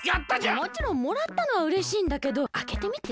もちろんもらったのはうれしいんだけどあけてみて？